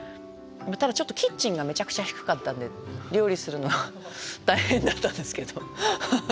ただちょっとキッチンがめちゃくちゃ低かったんで料理するの大変だったんですけど。